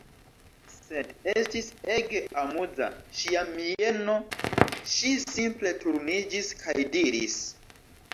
Sed, estis ege amuza, ŝia mieno, ŝi simple turniĝis kaj diris: